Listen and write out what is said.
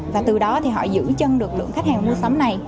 và từ đó thì họ giữ chân được lượng khách hàng mua sắm này